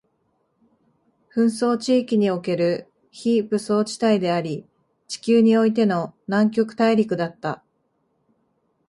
紛争地域における非武装地帯であり、地球においての南極大陸だった